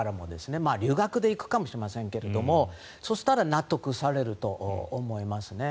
留学で行くかもしれませんがそうしたら納得されると思いますね。